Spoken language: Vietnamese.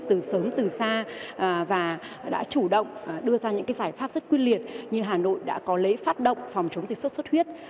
từ sớm từ xa và đã chủ động đưa ra những cái giải pháp rất quyên liệt như hà nội đã có lấy phát động phòng chống dịch xuất huyết